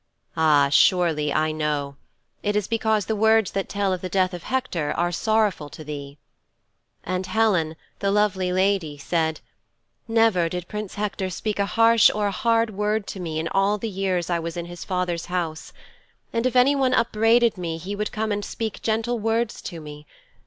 'Ah, surely I know. It is because the words that tell of the death of Hector are sorrowful to thee.' And Helen, the lovely lady, said 'Never did Prince Hector speak a hard or a harsh word to me in all the years I was in his father's house. And if anyone upbraided me he would come and speak gentle words to me.